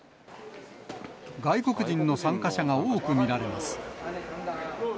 外国人の参加者が多く見られます。